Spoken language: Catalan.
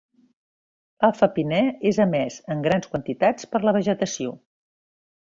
L'alfa-pinè és emès en grans quantitats per la vegetació.